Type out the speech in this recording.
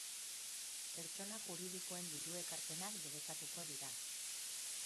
Pertsona juridikoen diru-ekarpenak debekatuko dira.